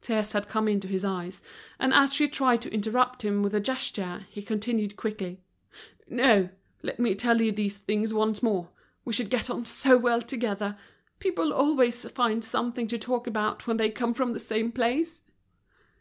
Tears had come into his eyes, and as she tried to interrupt him with a gesture, he continued quickly: "No—let me tell you these things once more. We should get on so well together! People always find something to talk about when they come from the same place."